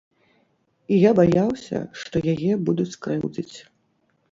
І я баяўся, што яе будуць крыўдзіць.